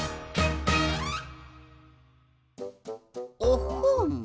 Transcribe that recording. おっほん。